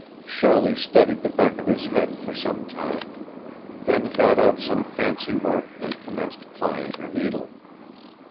Shirley studied the back of his head for some time, then got out some fancy work and commenced plying her needle.